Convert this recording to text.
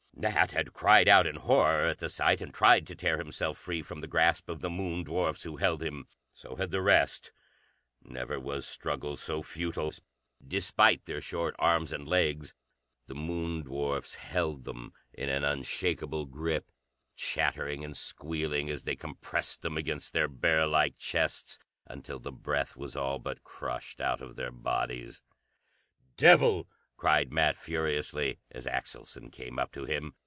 Nat had cried out in horror at the sight, and tried to tear himself free from the grasp of the Moon dwarfs who held him. So had the rest. Never was struggle so futile. Despite their short arms and legs, the Moon dwarfs held them in an unshakable grip, chattering and squealing as they compressed them against their barrel like chests until the breath was all but crushed out of their bodies. "Devil!" cried Nat furiously, as Axelson came up to him.